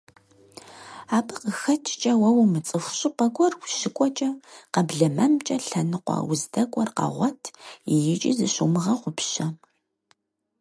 Абы къыхэкӀкӀэ уэ умыцӀыху щӀыпӀэ гуэр ущыкӀуэкӀэ къэблэмэмкӀэ лъэныкъуэ уздэкӀуэр къэгъуэт икӀи зыщумыгъэгъупщэ.